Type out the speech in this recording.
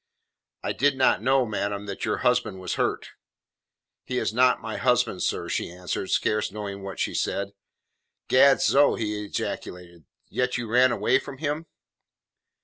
"I did not know, madam, that your husband was hurt." "He is not my husband, sir," she answered, scarce knowing what she said. "Gadso!" he ejaculated. "Yet you ran away from him?"